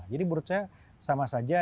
jadi menurut saya sama saja